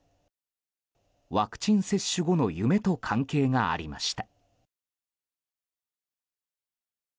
ワクチン接種後の夢と関係がありました。